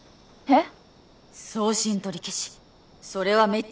えっ！？